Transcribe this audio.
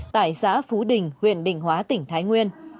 tại xã phú đình huyện định hóa tỉnh thái nguyên